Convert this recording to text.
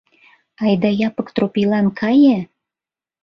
Айда Япык Тропийлан кае!